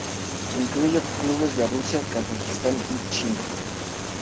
Incluye clubes de Rusia, Kazajistán y China.